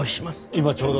今ちょうど。